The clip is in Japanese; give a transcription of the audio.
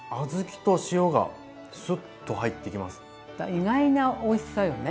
意外なおいしさよね